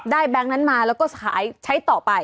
ได้แบงค์นั้นมาแล้วก็ใช้ต่อไป